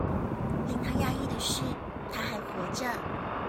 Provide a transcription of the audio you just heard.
令他訝異的是她還活著